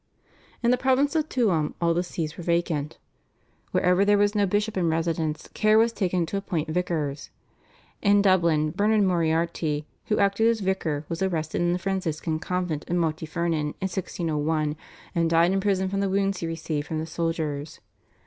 In the province of Tuam all the Sees were vacant. Wherever there was no bishop in residence care was taken to appoint vicars. In Dublin Bernard Moriarty who acted as vicar was arrested in the Franciscan convent at Multifernan in 1601, and died in prison from the wounds he received from the soldiers.